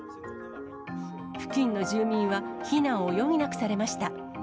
付近の住民は避難を余儀なくされました。